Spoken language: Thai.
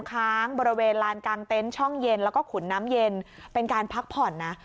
ค้างบริเวณลานกลางเต็นต์ช่องเย็นแล้วก็ขุนน้ำเย็นเป็นการพักผ่อนนะ